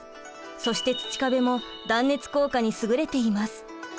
そして土壁も断熱効果にすぐれています。